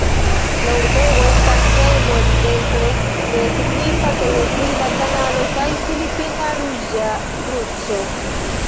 La urbego estas hejmo ekzemple de signifa televida kanalo kaj Filipina Ruĝa Kruco.